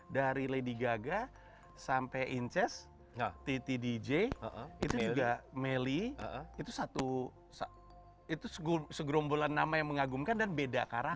dari lady gaga sampai inces titi dj itu juga melly itu satu itu segerombolan nama yang mengagumkan dan beda karakter